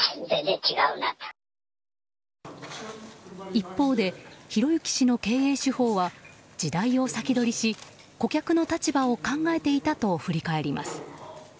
一方で宏行氏の経営手法は時代を先取りし顧客の立場を考えていたと振り返ります。